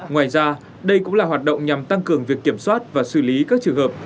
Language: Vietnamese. ngoài ra đây cũng là hoạt động nhằm tăng cường việc kiểm soát và xử lý các trường hợp